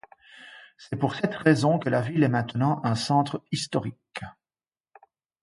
C'est pour cette raison que la ville est maintenant un centre historique.